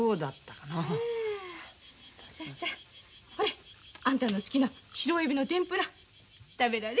ほれあんたの好きな白エビの天ぷら食べられ。